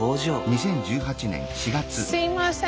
すいません。